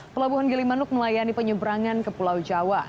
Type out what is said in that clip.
pelabuhan gilimanuk melayani penyeberangan ke pulau jawa